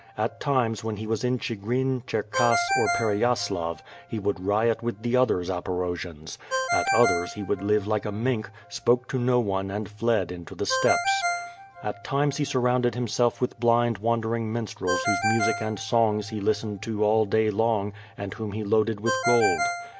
At times when he was in Chigrin, Cherkass, or Pereyaslav, he would riot with the other Zaporojians; at others he w ould live like a mink, spoke to no one and fled into the steppes. At times he surrounded himself with blind wandering minstrels whose music and songs he listened to all day long and whom he loaded with gold.